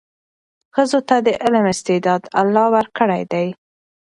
ښځو ته د علم استعداد الله ورکړی دی.